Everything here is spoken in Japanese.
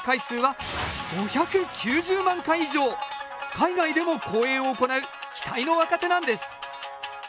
海外でも公演を行う期待の若手なんです。